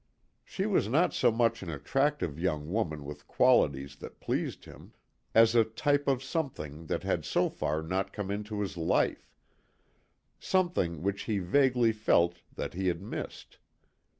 She was not so much an attractive young woman with qualities that pleased him, as a type of something that had so far not come into his life; something which he vaguely felt that he had missed.